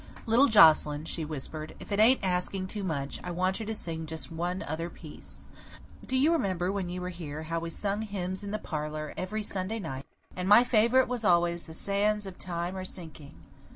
"Little Joscelyn," she whispered, "if it ain't asking too much, I want you to sing just one other piece. Do you remember when you were here how we sung hymns in the parlour every Sunday night, and my favourite always was 'The Sands of Time are Sinking?